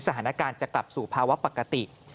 สถานการณ์จะกลับสู่ภาวะปกติ